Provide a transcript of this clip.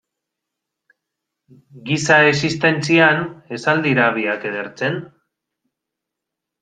Giza existentzian, ez al dira biak edertzen?